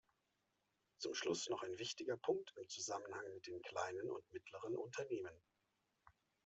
Zum Schluss noch ein wichtiger Punkt im Zusammenhang mit den kleinen und mittleren Unternehmen.